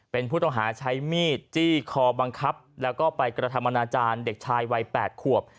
เป็นผู้ต้องหาใช้มีดจี้คอบังคับแล้วก็ไปกระทำอนาจารย์เด็กชายวัย๘ขวบ